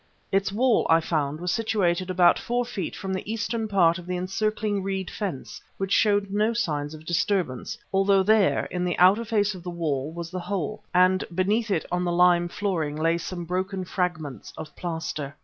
Its wall, I found, was situated about four feet from the eastern part of the encircling reed fence, which showed no signs of disturbance, although there, in the outer face of the wall, was the hole, and beneath it on the lime flooring lay some broken fragments of plaster.